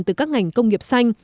từ các ngành công nghiệp xanh